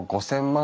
５，０００万。